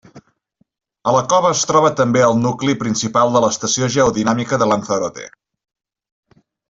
A la cova es troba també el nucli principal de l'estació geodinàmica de Lanzarote.